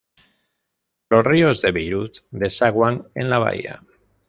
Los ríos de Beirut desaguan en la bahía.